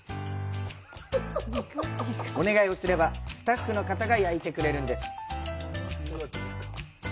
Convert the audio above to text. お願いをすればスタッフの方が焼いてくれるんです。